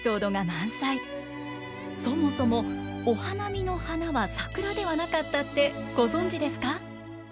そもそもお花見の花は桜ではなかったってご存じですか？